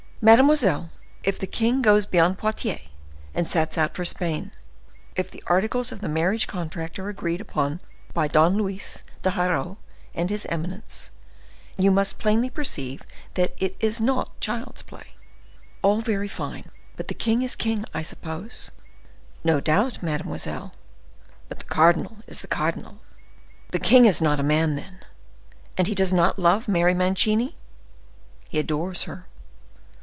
"Mademoiselle, if the king goes beyond Poitiers and sets out for Spain; if the articles of the marriage contract are agreed upon by Don Luis de Haro and his eminence, you must plainly perceive that it is not child's play." "All very fine! but the king is king, I suppose?" "No doubt, mademoiselle; but the cardinal is the cardinal." "The king is not a man, then! And he does not love Mary Mancini?" "He adores her."